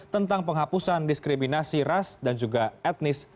tentang penghapusan diskriminasi ras dan juga etnis